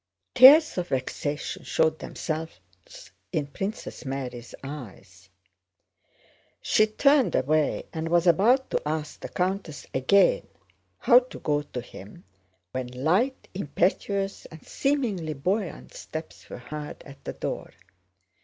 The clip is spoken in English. Tears of vexation showed themselves in Princess Mary's eyes. She turned away and was about to ask the countess again how to go to him, when light, impetuous, and seemingly buoyant steps were heard at the door.